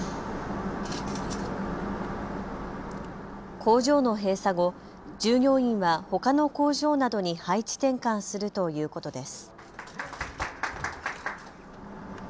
工場の閉鎖後、従業員はほかの工場などに配置転換するということです。